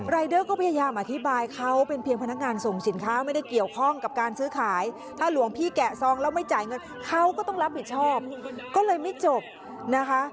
แล้วไม่จ่ายเงินเขาก็ต้องรับผิดชอบก็เลยไม่จบนะคะ